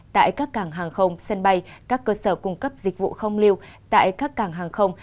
tại các cảng hàng không sân bay các cơ sở cung cấp dịch vụ không lưu tại các cảng hàng không